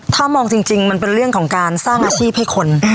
ถ้ามองจริงมันเป็นเรื่องของการสร้างอาชีพให้คน